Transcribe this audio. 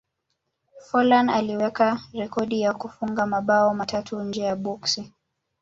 forlan aliweka rekodi ya kufunga mabao matatu nje ya boksi